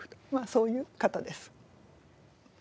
そういう方です。